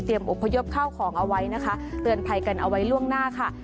อบพยพเข้าของเอาไว้นะคะเตือนภัยกันเอาไว้ล่วงหน้าค่ะ